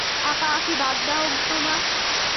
আঁকাআঁকি বাদ দাও তো মা!